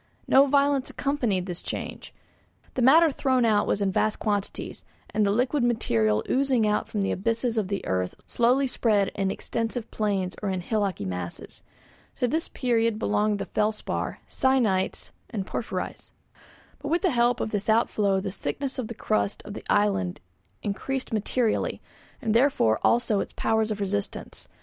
No violence accompanied this change; the matter thrown out was in vast quantities, and the liquid material oozing out from the abysses of the earth slowly spread in extensive plains or in hillocky masses. To this period belong the felspar, syenites, and porphyries. But with the help of this outflow the thickness of the crust of the island increased materially, and therefore also its powers of resistance.